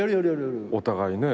お互いね。